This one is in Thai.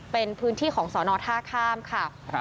เป็นพื้นที่ของสน๕ข้ามค่ะ